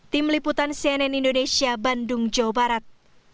tim liputan cnn indonesia bandung jawa barat